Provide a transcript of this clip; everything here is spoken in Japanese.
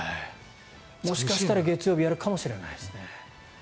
もしかしたら月曜日やるかもしれないですね。